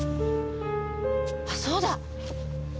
あっそうだ！